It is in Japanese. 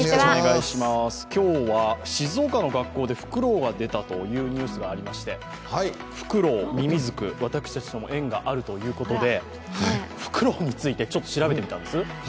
今日は静岡の学校でふくろうが出たというニュースがありまして、ふくろう、みみずく、私たちにも縁があるということで、ふくろうについて、ちょっと調べてみたんです。